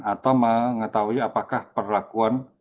atau mengetahui apakah perlakuan